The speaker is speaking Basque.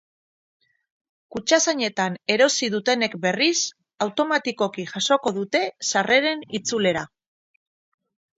Kutxazainetan arosi dutenek berriz, automatikoki jasoko dute sarreraren itzulera.